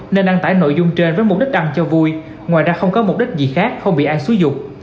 nên đăng tải nội dung trên với mục đích đăng cho vui ngoài ra không có mục đích gì khác không bị ai xúi dục